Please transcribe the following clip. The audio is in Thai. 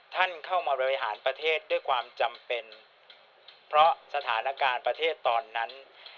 เข้ามาบริหารประเทศด้วยความจำเป็นเพราะสถานการณ์ประเทศตอนนั้น